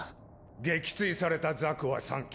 撃墜されたザクは３機。